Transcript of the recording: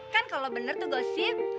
kan kalau benar tuh gosip